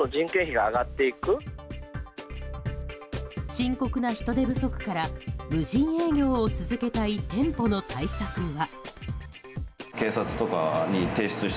深刻な人手不足から無人営業を続けたい店舗の対策は。